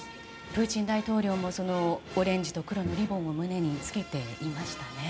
プーチン大統領もオレンジと黒のリボンを胸につけていましたね。